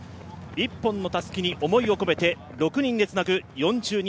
１本のたすきに思いを込めて６人でつなぐ４２．１９５